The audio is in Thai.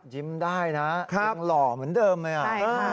ยิ้มได้นะยังหล่อเหมือนเดิมเลยอ่ะ